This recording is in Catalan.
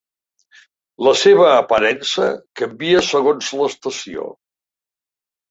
La seva aparença canvia segons l'estació.